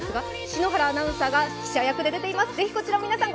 篠原アナウンサーが記者役で出ています。